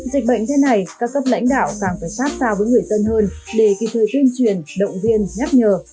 dịch bệnh thế này các cấp lãnh đạo càng phải sát sao với người dân hơn để kịp thời tuyên truyền động viên nhắc nhở